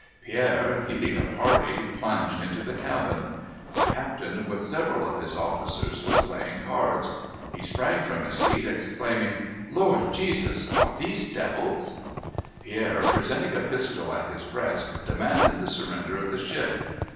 Pierre, leading a party, plunged into the cabin. The captain with several of his officers was playing cards. He sprang from his seat exclaiming: "Lord Jesus; are these devils?" Pierre, presenting a pistol at his breast, demanded the surrender of the ship.